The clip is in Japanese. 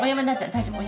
大丈夫。